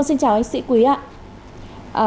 xin chào anh sĩ quý ạ